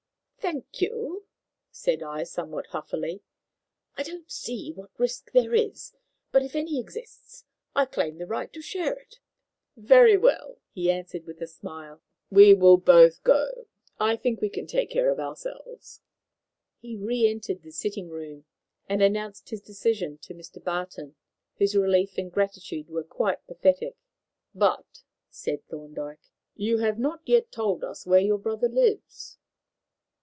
"Thank you," said I, somewhat huffily. "I don't see what risk there is, but if any exists I claim the right to share it." "Very well," he answered with a smile, "we will both go. I think we can take care of ourselves." He re entered the sitting room, and announced his decision to Mr. Barton, whose relief and gratitude were quite pathetic. "But," said Thorndyke, "you have not yet told us where your brother lives."